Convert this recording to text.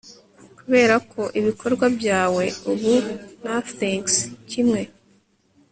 kuberako ibikorwa byawe ubu nothings kimwe